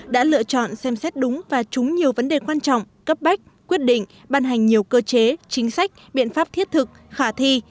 đã lựa chọn xem xét đúng và trúng nhiều vấn đề quan trọng cấp bách quyết định ban hành nhiều cơ chế chính sách biện pháp thiết thực khả thi